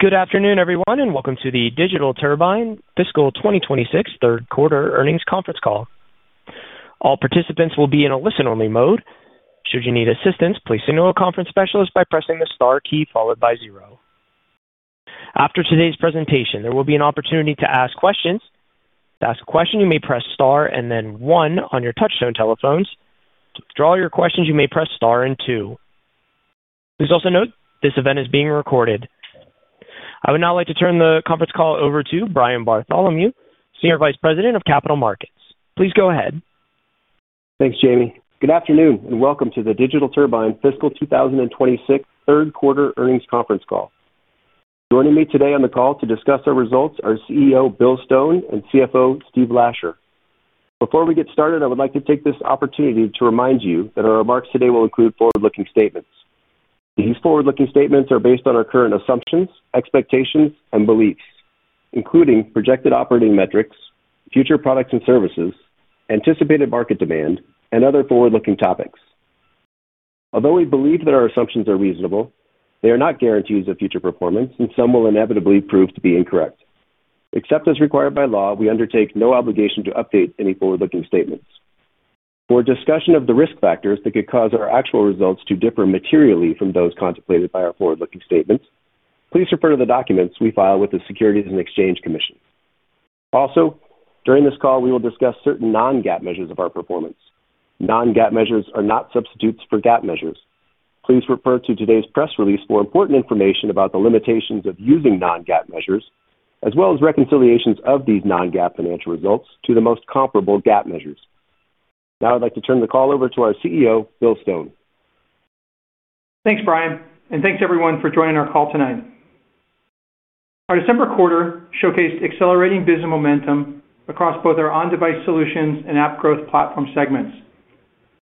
Good afternoon, everyone, and welcome to the Digital Turbine Fiscal 2026 Third Quarter Earnings Conference Call. All participants will be in a listen-only mode. Should you need assistance, please signal a conference specialist by pressing the star key followed by zero. After today's presentation, there will be an opportunity to ask questions. To ask a question, you may press star and then one on your touch-tone telephones. To withdraw your questions, you may press star and two. Please also note this event is being recorded. I would now like to turn the conference call over to Brian Bartholomew, Senior Vice President of Capital Markets. Please go ahead. Thanks, Jamie. Good afternoon, and welcome to the Digital Turbine Fiscal 2026 third quarter earnings conference call. Joining me today on the call to discuss our results are CEO Bill Stone and CFO Steve Lasher. Before we get started, I would like to take this opportunity to remind you that our remarks today will include forward-looking statements. These forward-looking statements are based on our current assumptions, expectations, and beliefs, including projected operating metrics, future products and services, anticipated market demand, and other forward-looking topics. Although we believe that our assumptions are reasonable, they are not guarantees of future performance, and some will inevitably prove to be incorrect. Except as required by law, we undertake no obligation to update any forward-looking statements. For a discussion of the risk factors that could cause our actual results to differ materially from those contemplated by our forward-looking statements, please refer to the documents we file with the Securities and Exchange Commission. Also, during this call, we will discuss certain non-GAAP measures of our performance. Non-GAAP measures are not substitutes for GAAP measures. Please refer to today's press release for important information about the limitations of using non-GAAP measures, as well as reconciliations of these non-GAAP financial results to the most comparable GAAP measures. Now I'd like to turn the call over to our CEO, Bill Stone. Thanks, Brian, and thanks everyone for joining our call tonight. Our December quarter showcased accelerating business momentum across both our On-Device Solutions and App Growth Platform segments.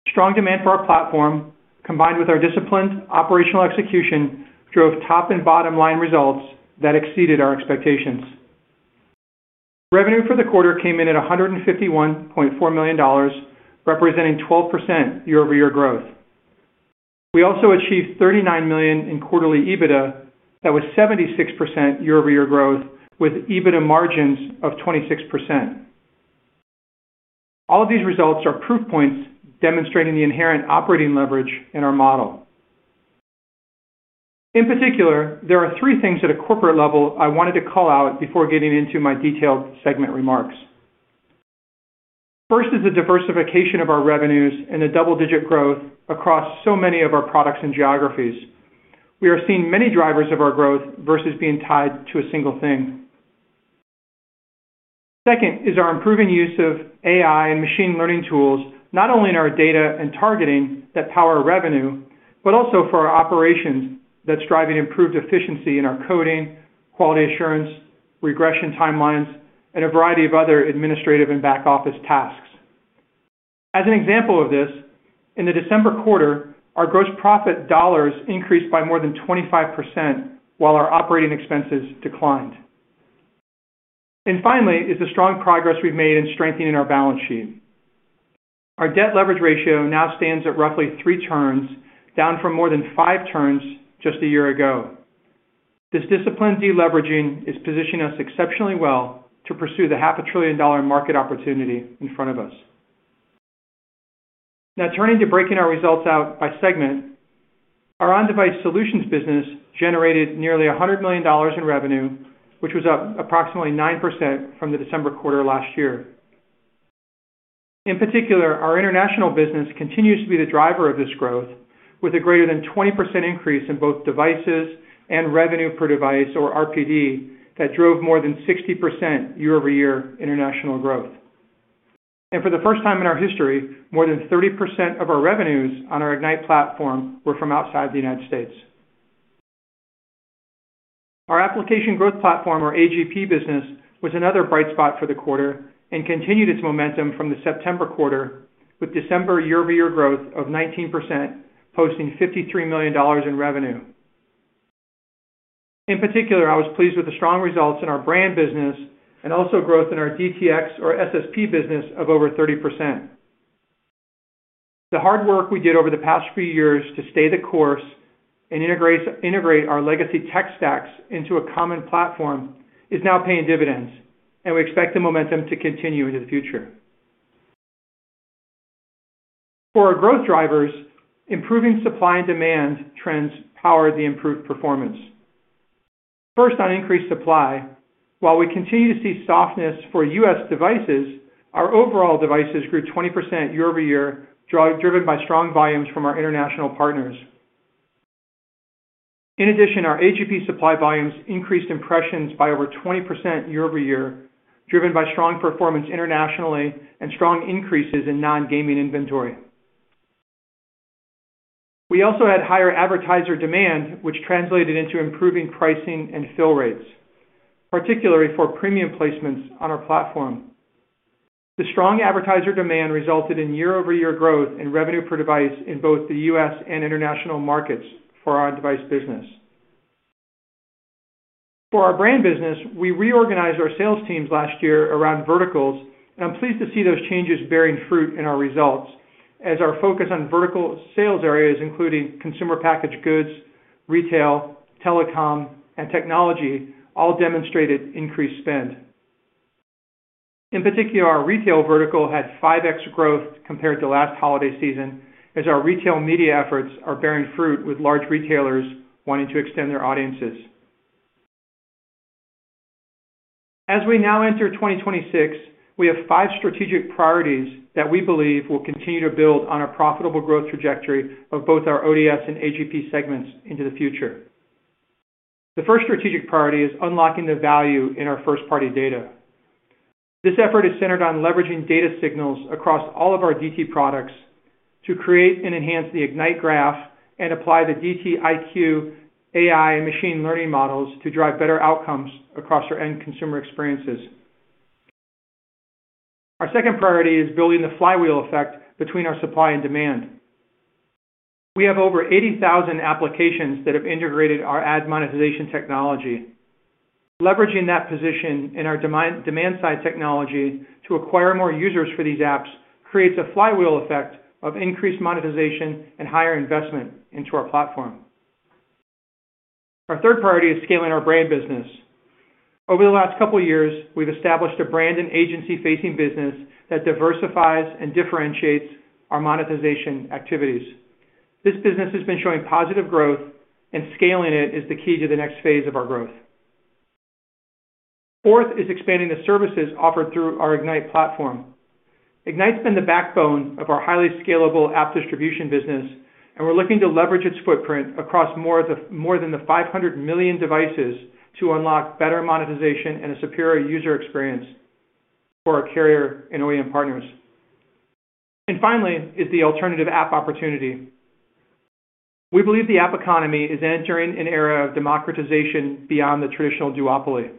Strong demand for our platform, combined with our disciplined operational execution, drove top and bottom line results that exceeded our expectations. Revenue for the quarter came in at $151.4 million, representing 12% year-over-year growth. We also achieved $39 million in quarterly EBITDA. That was 76% year-over-year growth, with EBITDA margins of 26%. All of these results are proof points demonstrating the inherent operating leverage in our model. In particular, there are three things at a corporate level I wanted to call out before getting into my detailed segment remarks. First is the diversification of our revenues and the double-digit growth across so many of our products and geographies. We are seeing many drivers of our growth versus being tied to a single thing. Second is our improving use of AI and machine learning tools, not only in our data and targeting that power revenue, but also for our operations that's driving improved efficiency in our coding, quality assurance, regression timelines, and a variety of other administrative and back-office tasks. As an example of this, in the December quarter, our gross profit dollars increased by more than 25%, while our operating expenses declined. And finally, is the strong progress we've made in strengthening our balance sheet. Our debt leverage ratio now stands at roughly three turns, down from more than five turns just a year ago. This disciplined deleveraging is positioning us exceptionally well to pursue the $500 billion-dollar market opportunity in front of us. Now, turning to breaking our results out by segment. Our On-Device Solutions business generated nearly $100 million in revenue, which was up approximately 9% from the December quarter last year. In particular, our international business continues to be the driver of this growth, with a greater than 20% increase in both devices and revenue per device, or RPD, that drove more than 60% year-over-year international growth. And for the first time in our history, more than 30% of our revenues on our Ignite platform were from outside the United States. Our Application Growth Platform, or AGP business, was another bright spot for the quarter and continued its momentum from the September quarter, with December year-over-year growth of 19%, posting $53 million in revenue. In particular, I was pleased with the strong results in our brand business and also growth in our DTX or SSP business of over 30%. The hard work we did over the past few years to stay the course and integrate our legacy tech stacks into a common platform is now paying dividends, and we expect the momentum to continue into the future. For our growth drivers, improving supply and demand trends powered the improved performance. First, on increased supply. While we continue to see softness for U.S. devices, our overall devices grew 20% year-over-year, driven by strong volumes from our international partners. In addition, our AGP supply volumes increased impressions by over 20% year-over-year, driven by strong performance internationally and strong increases in non-gaming inventory. We also had higher advertiser demand, which translated into improving pricing and fill rates, particularly for premium placements on our platform. The strong advertiser demand resulted in year-over-year growth in revenue per device in both the U.S. and international markets for our device business. For our brand business, we reorganized our sales teams last year around verticals, and I'm pleased to see those changes bearing fruit in our results, as our focus on vertical sales areas, including consumer packaged goods, retail, telecom, and technology, all demonstrated increased spend. In particular, our retail vertical had 5x growth compared to last holiday season, as our retail media efforts are bearing fruit with large retailers wanting to extend their audiences. As we now enter 2026, we have five strategic priorities that we believe will continue to build on our profitable growth trajectory of both our ODS and AGP segments into the future. The first strategic priority is unlocking the value in our first-party data. This effort is centered on leveraging data signals across all of our DT products to create and enhance the Ignite graph and apply the DT IQ, AI, and machine learning models to drive better outcomes across our end consumer experiences. Our second priority is building the flywheel effect between our supply and demand. We have over 80,000 applications that have integrated our ad monetization technology. Leveraging that position in our demand-side technology to acquire more users for these apps creates a flywheel effect of increased monetization and higher investment into our platform. Our third priority is scaling our brand business. Over the last couple of years, we've established a brand and agency-facing business that diversifies and differentiates our monetization activities. This business has been showing positive growth, and scaling it is the key to the next phase of our growth. Fourth is expanding the services offered through our Ignite platform. Ignite's been the backbone of our highly scalable app distribution business, and we're looking to leverage its footprint across more than 500 million devices to unlock better monetization and a superior user experience for our carrier and OEM partners. And finally, is the alternative app opportunity. We believe the app economy is entering an era of democratization beyond the traditional duopoly,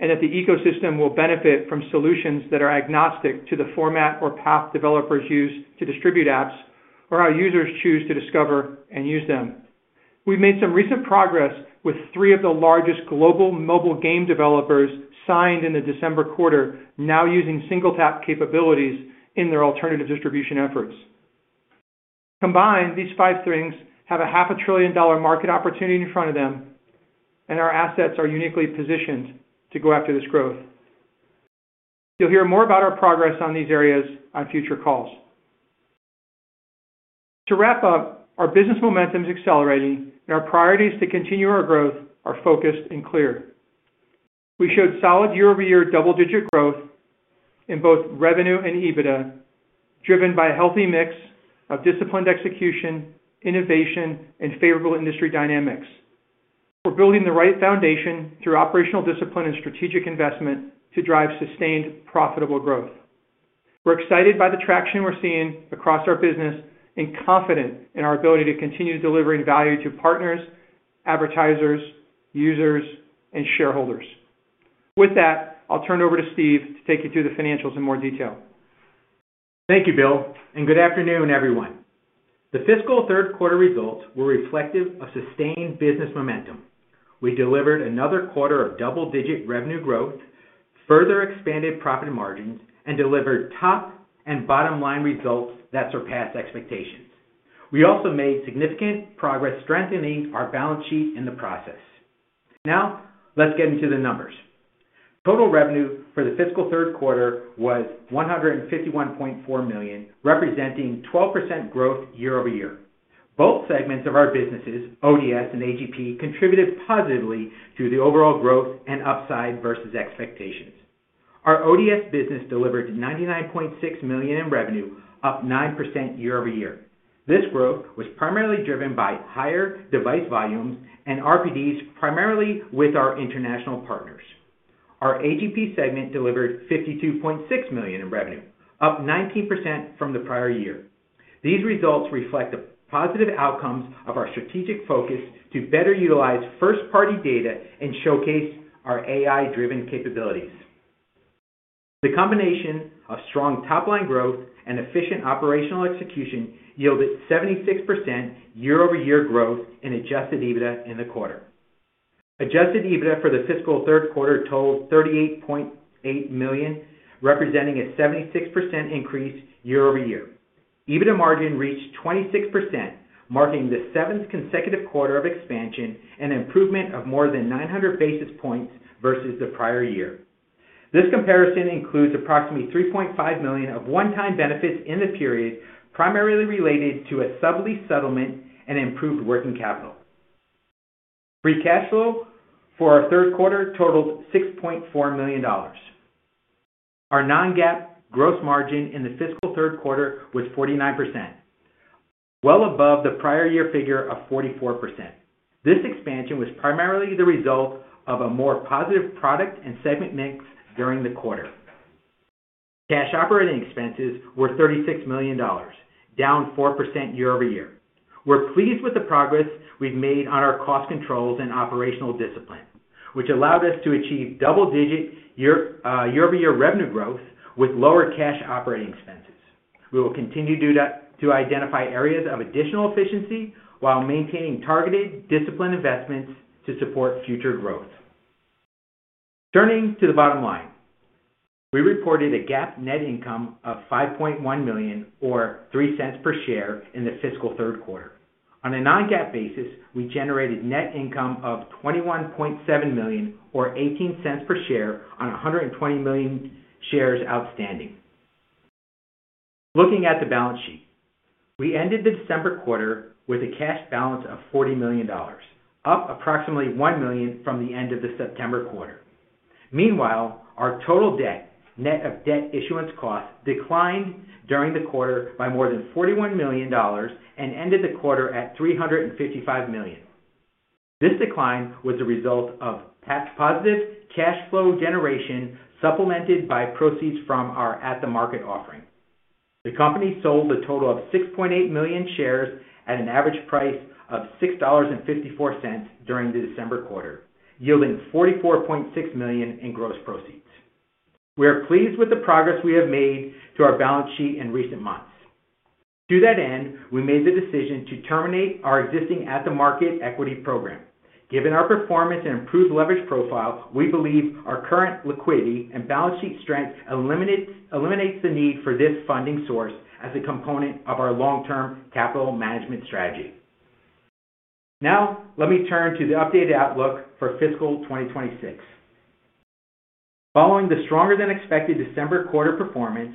and that the ecosystem will benefit from solutions that are agnostic to the format or path developers use to distribute apps or how users choose to discover and use them. We've made some recent progress with three of the largest global mobile game developers signed in the December quarter, now using SingleTap capabilities in their alternative distribution efforts. Combined, these five things have a $500 billion-dollar market opportunity in front of them, and our assets are uniquely positioned to go after this growth. You'll hear more about our progress on these areas on future calls. To wrap up, our business momentum is accelerating, and our priorities to continue our growth are focused and clear. We showed solid year-over-year double-digit growth in both revenue and EBITDA, driven by a healthy mix of disciplined execution, innovation, and favorable industry dynamics. We're building the right foundation through operational discipline and strategic investment to drive sustained, profitable growth. We're excited by the traction we're seeing across our business and confident in our ability to continue delivering value to partners, advertisers, users, and shareholders. With that, I'll turn it over to Steve to take you through the financials in more detail. Thank you, Bill, and good afternoon, everyone. The fiscal third quarter results were reflective of sustained business momentum. We delivered another quarter of double-digit revenue growth, further expanded profit margins, and delivered top and bottom-line results that surpassed expectations. We also made significant progress strengthening our balance sheet in the process. Now, let's get into the numbers. Total revenue for the fiscal third quarter was $151.4 million, representing 12% growth year-over-year. Both segments of our businesses, ODS and AGP, contributed positively to the overall growth and upside versus expectations. Our ODS business delivered $99.6 million in revenue, up 9% year-over-year. This growth was primarily driven by higher device volumes and RPDs, primarily with our international partners. Our AGP segment delivered $52.6 million in revenue, up 19% from the prior year. These results reflect the positive outcomes of our strategic focus to better utilize first-party data and showcase our AI-driven capabilities. The combination of strong top-line growth and efficient operational execution yielded 76% year-over-year growth in Adjusted EBITDA in the quarter. Adjusted EBITDA for the fiscal third quarter totaled $38.8 million, representing a 76% increase year-over-year. EBITDA margin reached 26%, marking the seventh consecutive quarter of expansion and improvement of more than 900 basis points versus the prior year. This comparison includes approximately $3.5 million of one-time benefits in the period, primarily related to a sublease settlement and improved working capital. Free cash flow for our third quarter totaled $6.4 million. Our non-GAAP gross margin in the fiscal third quarter was 49%, well above the prior year figure of 44%. This expansion was primarily the result of a more positive product and segment mix during the quarter. Cash operating expenses were $36 million, down 4% year-over-year. We're pleased with the progress we've made on our cost controls and operational discipline, which allowed us to achieve double-digit year-over-year revenue growth with lower cash operating expenses. We will continue to do that to identify areas of additional efficiency while maintaining targeted discipline investments to support future growth. Turning to the bottom line. We reported a GAAP net income of $5.1 million, or $0.03 per share in the fiscal third quarter. On a non-GAAP basis, we generated net income of $21.7 million, or $0.18 per share on 120 million shares outstanding. Looking at the balance sheet, we ended the December quarter with a cash balance of $40 million, up approximately $1 million from the end of the September quarter. Meanwhile, our total debt, net of debt issuance costs, declined during the quarter by more than $41 million and ended the quarter at $355 million. This decline was a result of positive cash flow generation, supplemented by proceeds from our at-the-market offering. The company sold a total of 6.8 million shares at an average price of $6.54 during the December quarter, yielding $44.6 million in gross proceeds. We are pleased with the progress we have made to our balance sheet in recent months. To that end, we made the decision to terminate our existing at-the-market equity program. Given our performance and improved leverage profile, we believe our current liquidity and balance sheet strength eliminates the need for this funding source as a component of our long-term capital management strategy. Now, let me turn to the updated outlook for fiscal 2026. Following the stronger than expected December quarter performance,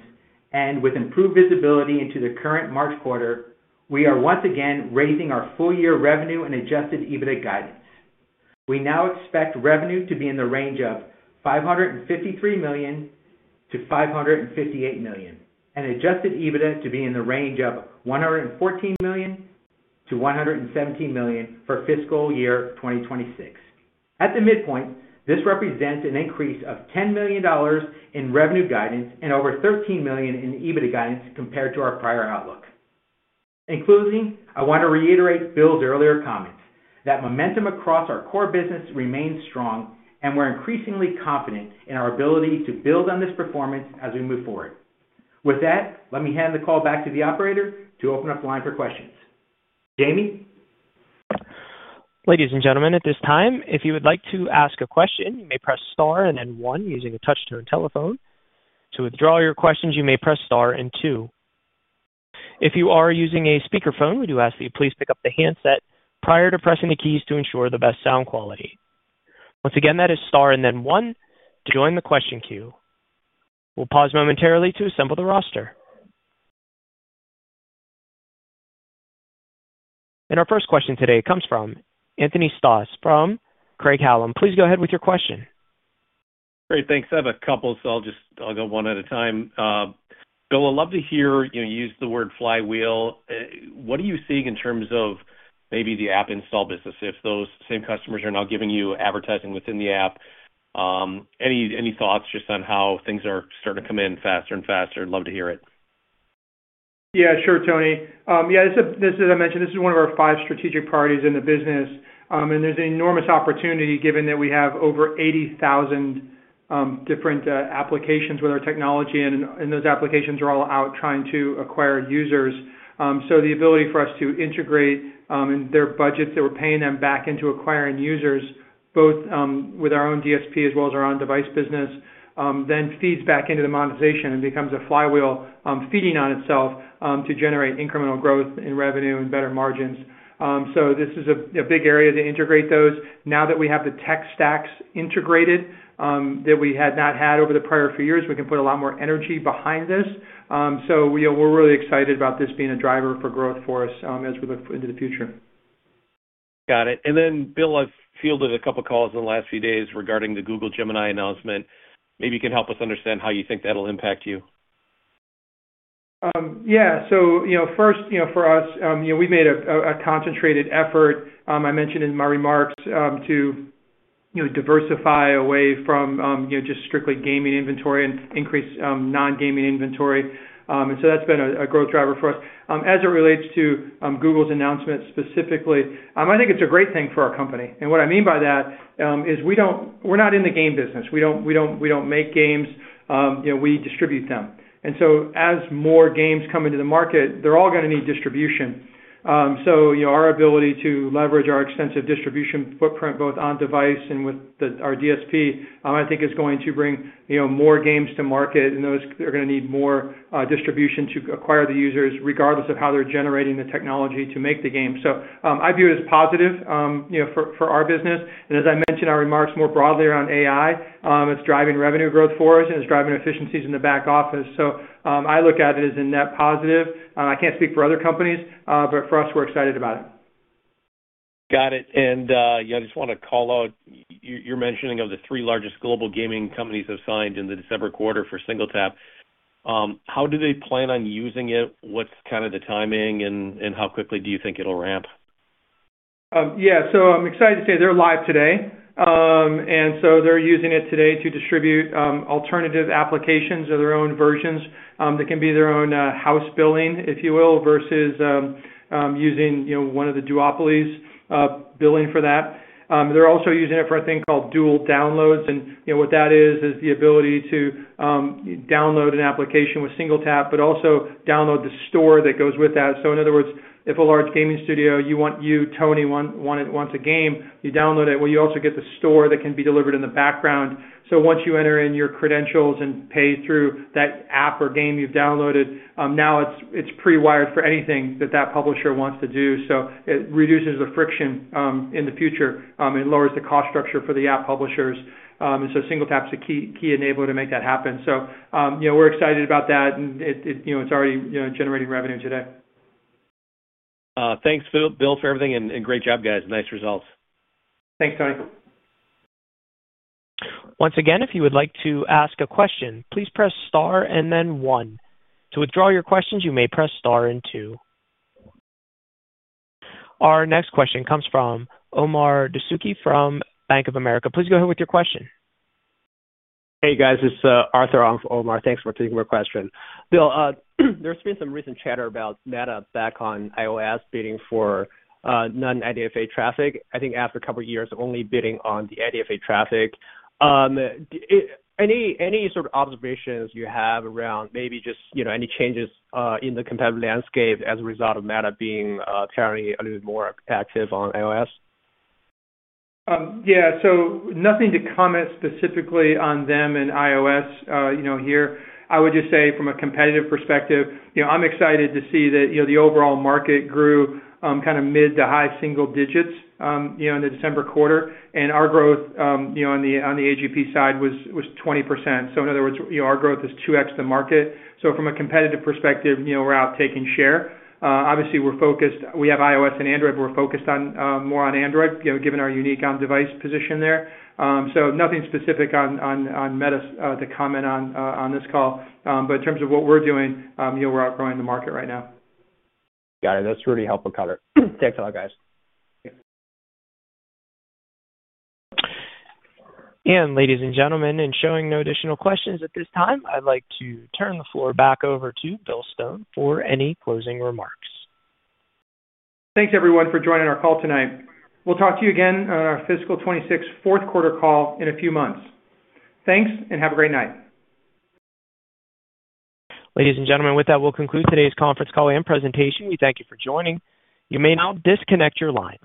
and with improved visibility into the current March quarter, we are once again raising our full-year revenue and adjusted EBITDA guidance. We now expect revenue to be in the range of $553 million-$558 million, and Adjusted EBITDA to be in the range of $114 million-$117 million for fiscal year 2026. At the midpoint, this represents an increase of $10 million in revenue guidance and over $13 million in EBITDA guidance compared to our prior outlook. In closing, I want to reiterate Bill's earlier comments, that momentum across our core business remains strong, and we're increasingly confident in our ability to build on this performance as we move forward. With that, let me hand the call back to the operator to open up the line for questions. Jamie? Ladies and gentlemen, at this time, if you would like to ask a question, you may press Star and then one using a touch-tone telephone. To withdraw your questions, you may press Star and two. If you are using a speakerphone, we do ask that you please pick up the handset prior to pressing the keys to ensure the best sound quality. Once again, that is Star and then one to join the question queue. We'll pause momentarily to assemble the roster. Our first question today comes from Anthony Stoss from Craig-Hallum. Please go ahead with your question. Great, thanks. I have a couple, so I'll go one at a time. Bill, I'd love to hear, you know, use the word flywheel. What are you seeing in terms of maybe the app install business, if those same customers are now giving you advertising within the app? Any, any thoughts just on how things are starting to come in faster and faster? I'd love to hear it. Yeah, sure, Tony. Yeah, this is, as I mentioned, this is one of our five strategic priorities in the business, and there's enormous opportunity given that we have over 80,000 different applications with our technology, and those applications are all out trying to acquire users. So the ability for us to integrate in their budgets that we're paying them back into acquiring users, both with our own DSP as well as our On-Device business, then feeds back into the monetization and becomes a flywheel, feeding on itself, to generate incremental growth in revenue and better margins. So this is a big area to integrate those. Now that we have the tech stacks integrated, that we had not had over the prior few years, we can put a lot more energy behind this. We're really excited about this being a driver for growth for us, as we look into the future. Got it. And then, Bill, I've fielded a couple calls in the last few days regarding the Google Gemini announcement. Maybe you can help us understand how you think that'll impact you. Yeah. So you know, first, you know, for us, you know, we made a concentrated effort, I mentioned in my remarks, to, you know, diversify away from, you know, just strictly gaming inventory and increase non-gaming inventory. And so that's been a growth driver for us. As it relates to Google's announcement specifically, I think it's a great thing for our company. And what I mean by that is we don't-- we're not in the game business. We don't, we don't, we don't make games, you know, we distribute them. And so as more games come into the market, they're all gonna need distribution. So you know, our ability to leverage our extensive distribution footprint, both On-Device and with our DSP, I think is going to bring, you know, more games to market, and those are gonna need more distribution to acquire the users, regardless of how they're generating the technology to make the game. So I view it as positive, you know, for our business. And as I mentioned, our remarks more broadly around AI, it's driving revenue growth for us, and it's driving efficiencies in the back office. So I look at it as a net positive. I can't speak for other companies, but for us, we're excited about it. Got it. And, yeah, I just wanna call out your mentioning of the three largest global gaming companies have signed in the December quarter for SingleTap. How do they plan on using it? What's kind of the timing, and how quickly do you think it'll ramp? Yeah. So I'm excited to say they're live today. And so they're using it today to distribute alternative applications or their own versions that can be their own house billing, if you will, versus using, you know, one of the duopolies billing for that. They're also using it for a thing called dual downloads, and, you know, what that is, is the ability to download an application with SingleTap, but also download the store that goes with that. So in other words, if a large gaming studio, you, Tony, wants a game, you download it, well, you also get the store that can be delivered in the background. So once you enter in your credentials and pay through that app or game you've downloaded, now it's pre-wired for anything that publisher wants to do. So it reduces the friction in the future. It lowers the cost structure for the app publishers. And so SingleTap's a key, key enabler to make that happen. So, you know, we're excited about that, and it, you know, it's already, you know, generating revenue today. Thanks, Bill, for everything, and great job, guys. Nice results. Thanks, Tony. Once again, if you would like to ask a question, please press star and then one. To withdraw your questions, you may press star and two. Our next question comes from Omar Dessouky from Bank of America. Please go ahead with your question. Hey, guys, this is Arthur Ong for Omar. Thanks for taking my question. Bill, there's been some recent chatter about Meta back on iOS bidding for non-IDFA traffic, I think after a couple of years of only bidding on the IDFA traffic. Any sort of observations you have around maybe just, you know, any changes in the competitive landscape as a result of Meta being currently a little more active on iOS? Yeah. So nothing to comment specifically on them and iOS, you know, here. I would just say from a competitive perspective, you know, I'm excited to see that, you know, the overall market grew, kind of mid- to high-single digits, you know, in the December quarter, and our growth, you know, on the AGP side was 20%. So in other words, you know, our growth is 2x the market. So from a competitive perspective, you know, we're out taking share. Obviously, we're focused... We have iOS and Android. We're focused on more on Android, you know, given our unique on-device position there. So nothing specific on Meta to comment on this call. But in terms of what we're doing, you know, we're outgrowing the market right now. Got it. That's really helpful color. Thanks a lot, guys. Ladies and gentlemen, in showing no additional questions at this time, I'd like to turn the floor back over to Bill Stone for any closing remarks. Thanks, everyone, for joining our call tonight. We'll talk to you again on our fiscal 2026 fourth quarter call in a few months. Thanks, and have a great night. Ladies and gentlemen, with that, we'll conclude today's conference call and presentation. We thank you for joining. You may now disconnect your lines.